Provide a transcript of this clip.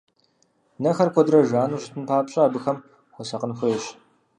Нэхэр куэдрэ жану щытын папщӀэ, абыхэм хуэсакъын хуейщ.